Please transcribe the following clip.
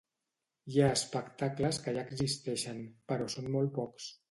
Hi ha espectacles que ja existeixen, però són molt pocs.